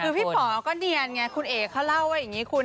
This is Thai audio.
คือพี่ป๋อก็เนียนไงคุณเอกเขาเล่าว่าอย่างนี้คุณ